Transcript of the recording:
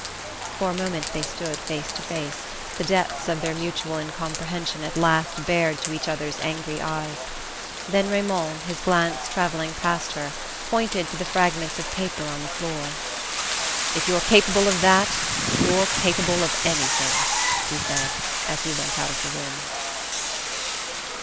For a moment they stood face to face, the depths of their mutual incomprehension at last bared to each other's angry eyes; then Raymond, his glance travelling past her, pointed to the fragments of paper on the floor. "If you're capable of that you're capable of anything!" he said as he went out of the room.